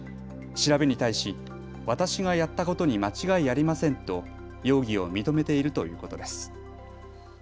調べに対し私がやったことに間違いありませんと容疑を認めているということです。